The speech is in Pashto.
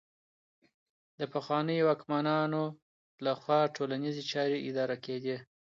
د پخوانيو واکمنانو لخوا ټولنيزې چارې اداره کيدې.